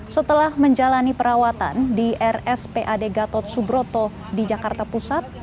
setelah menjalani perawatan di rspad gatot subroto di jakarta pusat